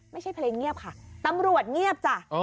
ไม่ใช่เพลงเงียบค่ะตำรวจเงียบจ้ะ